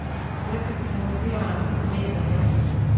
Huwezi kupunguzia wanafunzi bei za viatu